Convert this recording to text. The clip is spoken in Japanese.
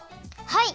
はい！